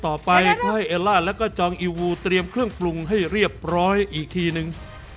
ต่อไปเพื่อให้เอลล่าแล้วก็จองอีวูเตรียมเครื่องปรุงให้เรียบร้อยอีกทีนึง